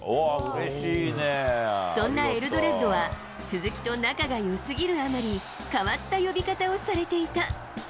そんなエルドレッドは、鈴木と仲がよすぎるあまり、変わった呼び方をされていた。